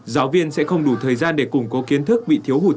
giáo viên sẽ không đủ thời gian để củng cố kiến thức bị thiếu hụt